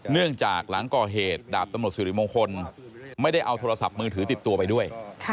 เนื่องจากหลังก่อเหตุดาบตำรวจสิริมงคลไม่ได้เอาโทรศัพท์มือถือติดตัวไปด้วย